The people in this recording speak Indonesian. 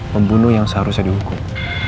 pembunuh yang seharusnya dihukum